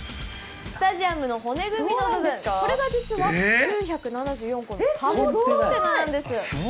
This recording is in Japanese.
スタジアムの骨組みの部分これが実は９７４個の貨物コンテナなんです。